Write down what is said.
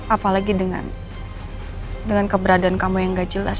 apalagi dengan keberadaan kamu yang gak jelas